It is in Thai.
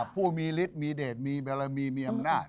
ผู้มีฤทธิ์มีเดชมีบารมีมีอำนาจ